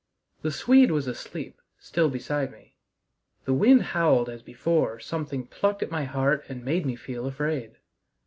The Swede was asleep still beside me; the wind howled as before something plucked at my heart and made me feel afraid.